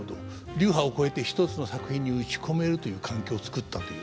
流派を超えて一つの作品に打ち込めるという環境を作ったという。